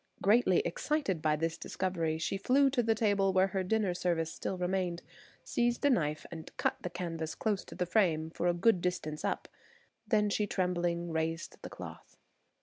Greatly excited by this discovery, she flew to the table where her dinner service still remained, seized a knife and cut the canvas close to the frame for a good distance up. Then she trembling raised the cloth.